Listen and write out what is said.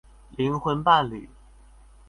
靈魂伴侶